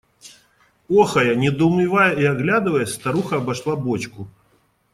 Охая, недоумевая и оглядываясь, старуха обошла бочку.